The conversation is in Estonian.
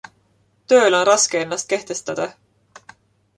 Tööl on raske ennast kehtestada.